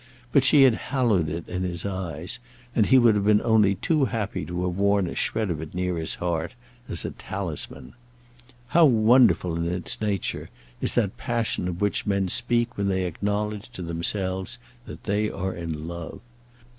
But she had hallowed it in his eyes, and he would have been only too happy to have worn a shred of it near his heart, as a talisman. How wonderful in its nature is that passion of which men speak when they acknowledge to themselves that they are in love.